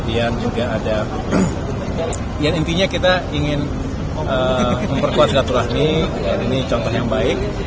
yang intinya kita ingin memperkuat selatu rahmi dan ini contoh yang baik